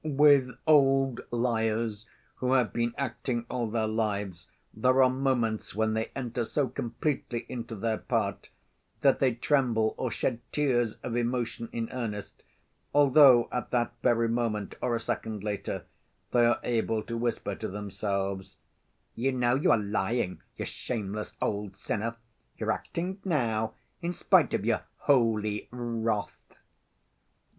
With old liars who have been acting all their lives there are moments when they enter so completely into their part that they tremble or shed tears of emotion in earnest, although at that very moment, or a second later, they are able to whisper to themselves, "You know you are lying, you shameless old sinner! You're acting now, in spite of your 'holy' wrath."